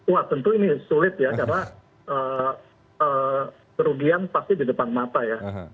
wah tentu ini sulit ya karena kerugian pasti di depan mata ya